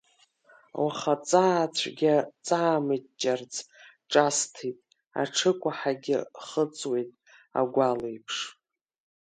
Уаха аҵаа цәгьа ҵаамыҷҷарц ҿасҭеит, аҽыкәаҳагьы хыҵуеит агәалеиԥш.